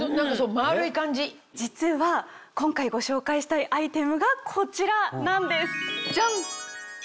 実は今回ご紹介したいアイテムがこちらなんですジャン！